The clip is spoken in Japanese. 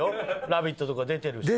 『ラヴィット！』とか出てるし。